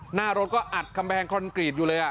หน้ารถก็อัดกำแพงคอนกรีตอยู่เลย